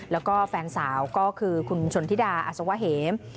แล้วก็แฟนสาวก็คือคุณชนธิดาอสวะเหม